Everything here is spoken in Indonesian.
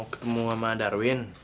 ketemu sama darwin